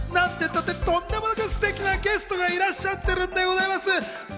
とんでもなくステキなゲストがいらっしゃってるんでございます。